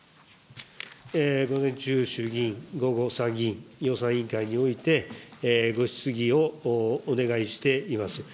午前中、衆議院、午後、参議院、予算委員会において、ご質疑をお願いしています。